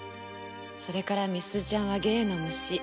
それから美鈴ちゃんは芸の虫。